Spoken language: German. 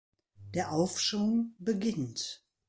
Der Aufschwung beginnt.